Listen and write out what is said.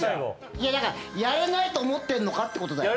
いやだからやれないと思ってんのか？ってことだよね。